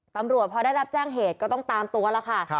ตำรวจพอได้รับแจ้งเหตุก็ต้องตามตัวแล้วค่ะ